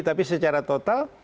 tapi secara total